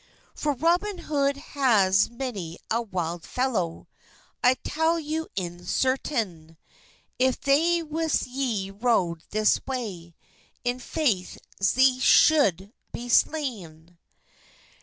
"For Robyn Hode hase many a wilde felow, I telle yow in certen; If thei wist ze rode this way, In feith ze shulde be slayn."